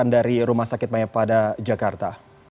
di rumah sakit maya pada jakarta